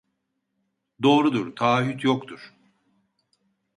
Doğrudur taahhüt yoktur